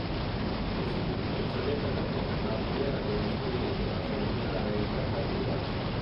Così, Elisabetta Carlotta non era che uno strumento per cementare il trattato di pace.